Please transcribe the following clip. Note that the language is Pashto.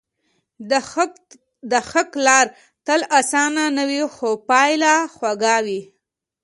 د حق لار تل آسانه نه وي، خو پایله خوږه وي.